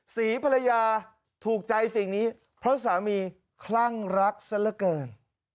ศรีภรรยาถูกใจสิ่งนี้เพราะสามีคลั่งรักซะละเกิน